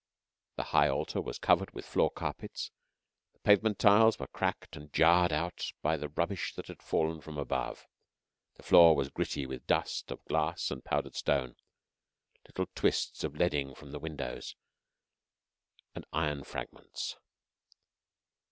] The high altar was covered with floor carpets; the pavement tiles were cracked and jarred out by the rubbish that had fallen from above, the floor was gritty with dust of glass and powdered stone, little twists of leading from the windows, and iron fragments.